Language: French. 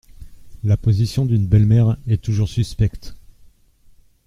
La position d’une belle-mère est toujours suspecte.